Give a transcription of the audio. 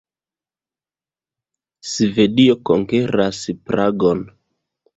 Svedio konkeras Pragon.